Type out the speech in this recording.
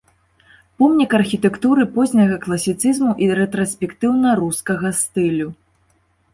Помнік архітэктуры позняга класіцызму і рэтраспектыўна-рускага стылю.